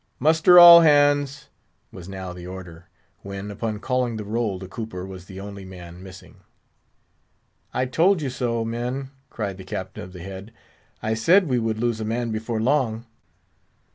"Muster all hands!" was now the order; when, upon calling the roll, the cooper was the only man missing. "I told you so, men," cried the Captain of the Head; "I said we would lose a man before long."